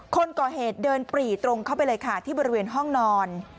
คนก่อเหตุเดินปรีตรงเข้าไปเลยค่ะที่บริเวณห้องนอน